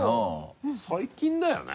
最近だよね？